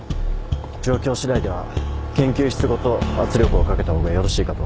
状況しだいでは研究室ごと圧力をかけた方がよろしいかと。